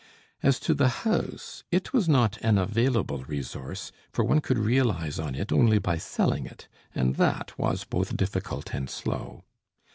As to the house, it was not an available resource, for one could realize on it only by selling it, and that was both difficult and slow.